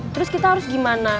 terus kita harus gimana